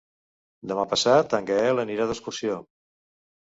Demà passat en Gaël anirà d'excursió.